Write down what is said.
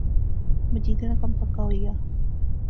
مجیدے ناں کم پکا ہوئی آ